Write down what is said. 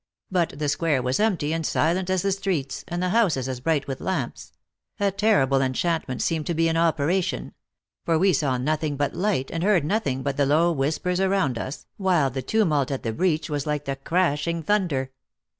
But the square was empty and silent as the streets, and the houses as bright with lamps ; a terrible enchantment seemed to be in operation ; for we saw nothing but light, and heard nothing but the low whispers around us, while the tumult at the breach was like the crashing thun der.